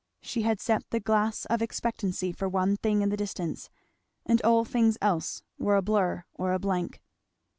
She had set the glass of expectancy for one thing in the distance; and all things else were a blur or a blank.